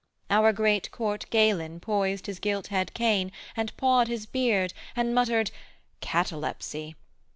Our great court Galen poised his gilt head cane, And pawed his beard, and muttered 'catalepsy'.